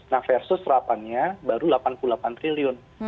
nah versus serapannya baru delapan puluh delapan triliun